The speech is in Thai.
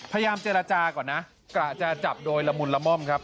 พยายามเจรจาก่อนนะกะจะจับโดยละมุนละม่อมครับ